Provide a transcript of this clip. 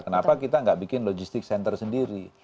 kenapa kita nggak bikin logistik center sendiri